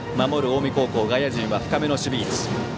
近江高校、外野陣は深めの守備位置。